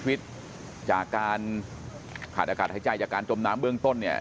วิทย์จากการขาดอากาศหายใจจากการจมน้ำเบื้องต้นเนี่ย